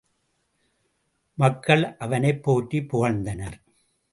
மக்கள் அவனைப் போற்றிப் புகழ்ந்தனர்.